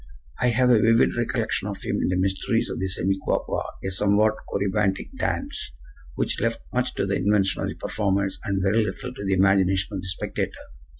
I have a vivid recollection of him in the mysteries of the SEMICUACUA, a somewhat corybantic dance which left much to the invention of the performers, and very little to the imagination of the spectator.